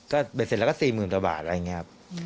ก็เสร็จแล้วก็๔๐๐๐๐บาทอะไรอย่างนี้ครับ